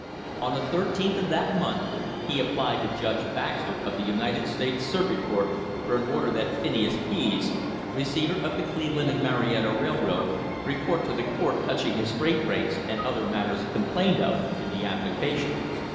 On the i3th of that month he applied to Judge Baxter of the United States Circuit Court for an order that Phineas Pease, receiver of the Cleveland and Marietta Rail road, report to the court touching his freight rates and other matters complained of in the application.